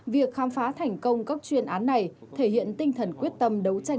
việc khám phá thành công các chuyên án này thể hiện tinh thần quyết tâm đấu tranh